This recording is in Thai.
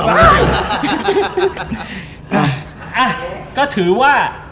อ่ะก็ถือว่า